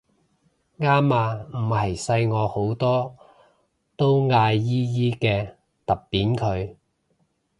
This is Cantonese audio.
啱啊唔係細我好多都嗌姨姨嘅揼扁佢